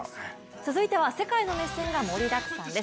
続いては、世界の熱戦が盛りだくさんです。